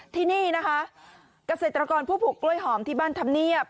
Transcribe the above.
ทีนี้นะคะกระเศรษฐากรผู้ผลกล้วยหอมที่บ้านธับเนียบ